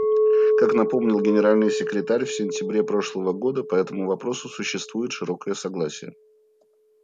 Как напомнил Генеральный секретарь в сентябре прошлого года, по этому вопросу существует широкое согласие.